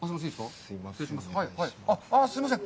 すいません。